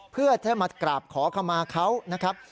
เพื่อจะมากราบขอคำมาเขานะครับ